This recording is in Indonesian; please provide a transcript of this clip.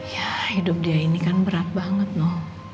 ya hidup dia ini kan berat banget no